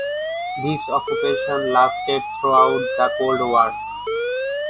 This occupation lasted throughout the Cold War.